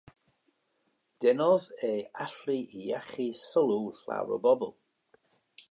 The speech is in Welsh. Denodd ei allu i iachau sylw llawer o bobl.